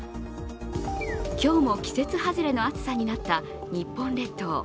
今日も季節外れの暑さとなった日本列島。